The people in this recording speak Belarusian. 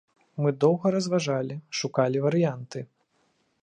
Мы доўга разважалі, шукалі варыянты.